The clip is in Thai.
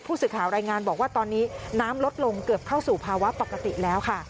สื่อข่าวรายงานบอกว่าตอนนี้น้ำลดลงเกือบเข้าสู่ภาวะปกติแล้วค่ะ